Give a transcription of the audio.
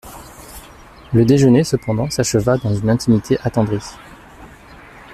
Le déjeuner, cependant, s'acheva dans une intimité attendrie.